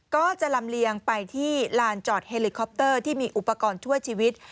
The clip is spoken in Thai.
ก็จะลำเลียงไปที่ลานจอดเฮลิคอปเตอร์ที่มีอุปกรณ์ช่วยชีวิต